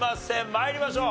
参りましょう。